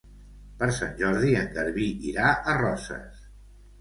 Per Sant Jordi en Garbí irà a Roses.